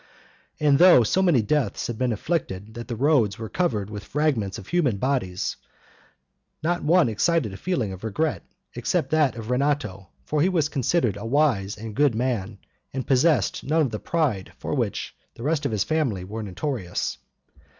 And though so many deaths had been inflicted that the roads were covered with fragments of human bodies, not one excited a feeling of regret, except that of Rinato; for he was considered a wise and good man, and possessed none of the pride for which the rest of his family were notorious.